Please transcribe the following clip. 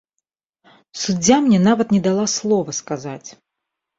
Суддзя мне нават не дала слова сказаць.